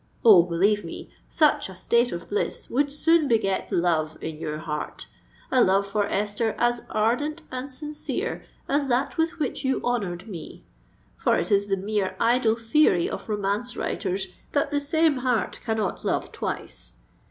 Oh! believe me, such a state of bliss would soon beget love in your heart,—a love for Esther as ardent and sincere as that with which you honoured me; for it is the mere idle theory of romance writers, that the same heart cannot love twice.